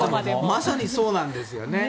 まさにそうなんですよ。